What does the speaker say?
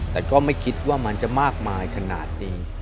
แต่ก็ไม่คิดว่ามันจะมากมายขนาดนี้